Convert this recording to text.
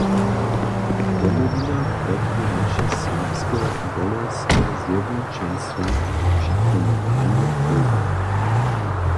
Domowina podpěraše Serbske wolerske zjednoćenstwa při komunalnych wólbach.